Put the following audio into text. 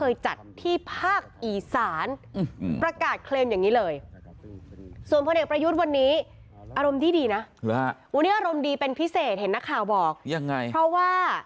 ยังไงเพราะว่า